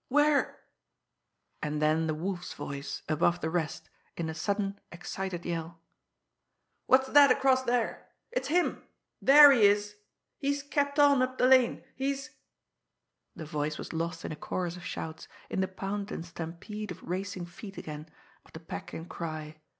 Where " And then the Wolf's voice, above the rest, in a sudden, excited yell: "What's that across there! It's him! There he is! He's kept on up the lane! He's " The voice was lost in a chorus of shouts, in the pound and stampede of racing feet again, of the pack in cry.